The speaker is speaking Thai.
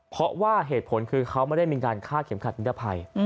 เพราะว่าเหตุผลคือเขาไม่ได้มีการฆ่าเข็มขัดนิรภัย